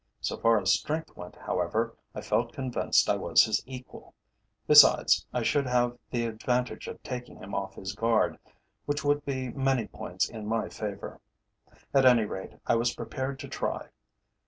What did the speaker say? So far as strength went, however, I felt convinced I was his equal. Besides, I should have the advantage of taking him off his guard, which would be many points in my favour. At any rate I was prepared to try.